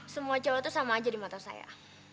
semua cowok itu sama aja di mata saya